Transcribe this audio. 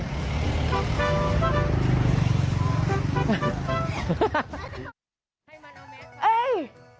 เฮ่ย